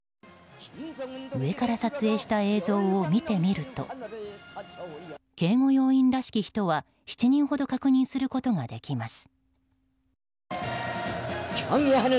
上から撮影した映像を見てみると警護要員らしき人は７人ほど確認することができます。